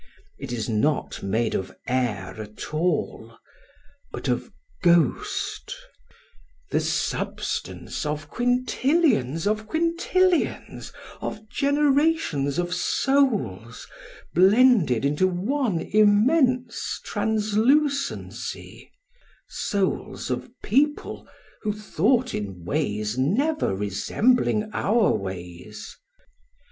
It is not made of air at all, but of ghost,—the substance of quintillions of quintillions of generations of souls blended into one immense translucency,—souls of people who thought in ways never resembling our ways.